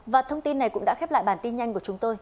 và thông tin này cũng đã khép lại bản tin nhanh của chúng tôi